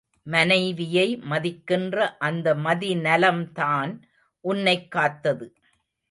மனைவியை மதிக்கின்ற அந்த மதி நலம் தான் உன்னைக் காத்தது.